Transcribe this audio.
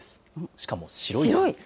しかも白い。